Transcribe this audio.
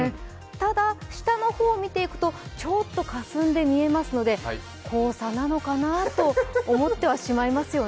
ただ、下の方見ていくとちょっとかすんで見えますので黄砂なのかなと思ってはしまいますよね。